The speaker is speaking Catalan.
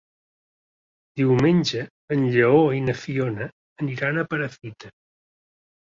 Diumenge en Lleó i na Fiona aniran a Perafita.